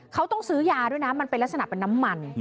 เขาต้องซื้อยาด้วยนะมันเป็นลักษณะเป็นน้ำมัน